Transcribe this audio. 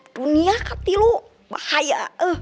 dunia kaktilu bahaya